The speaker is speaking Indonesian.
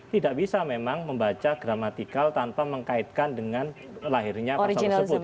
tidak bisa memang membaca gramatikal tanpa mengkaitkan dengan lahirnya pasal tersebut